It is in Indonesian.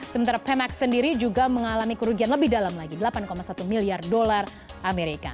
sementara pemaks sendiri juga mengalami kerugian lebih dalam lagi delapan satu miliar dolar amerika